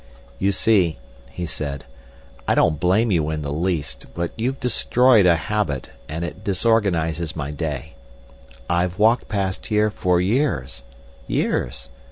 "You see," he said, "I don't blame you in the least, but you've destroyed a habit, and it disorganises my day. I've walked past here for years—years.